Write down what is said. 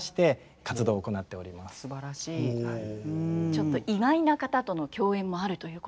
ちょっと意外な方との共演もあるということで。